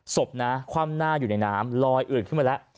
สบความหน้าอยู่ในน้ำลอยอึดขึ้นมาแล้ว